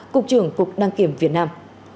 cục trưởng cục đăng kiểm việt nam